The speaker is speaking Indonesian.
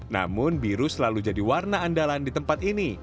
namun biru selalu jadi warna andalan di tempat ini